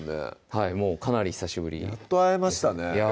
はいもうかなり久しぶりやっと会えましたねいや